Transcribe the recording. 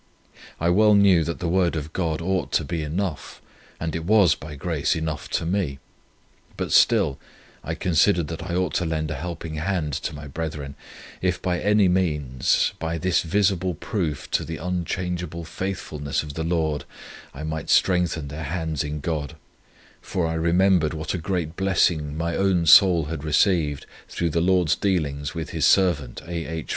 I well knew that the Word of God ought to be enough, and it was, by grace, enough, to me; but still, I considered that I ought to lend a helping hand to my brethren, if by any means, by this visible proof to the unchangeable faithfulness of the Lord, I might strengthen their hands in God; for I remembered what a great blessing my own soul had received through the Lord's dealings with His servant A. H.